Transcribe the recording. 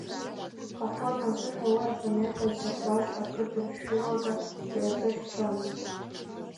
Аформазыҳәа уи афанерка зҵәахуаз акыдыршәылага иазыхьчомызт.